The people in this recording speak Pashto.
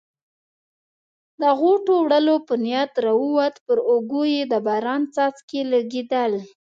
د غوټو وړلو په نیت راووت، پر اوږو یې د باران څاڅکي لګېدل.